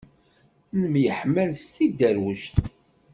Nemyeḥmal s tidderwect.